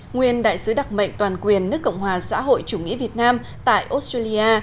nguyên đại sứ đặc mệnh toàn quyền nước cộng hòa xã hội chủ nghĩa việt nam tại australia